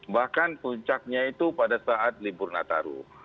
bahkan puncaknya itu pada saat libur nataru